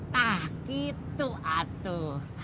tak gitu atuh